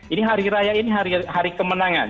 ini hari raya ini hari kemenangan